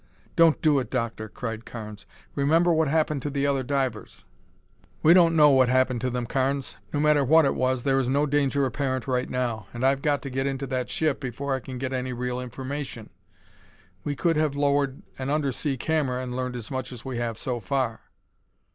"Don't do it, Doctor!" cried Carnes. "Remember what happened to the other divers!" "We don't know what happened to them, Carnes. No matter what it was, there is no danger apparent right now, and I've got to get into that ship before I can get any real information. We could have lowered an under sea camera and learned as much as we have so far."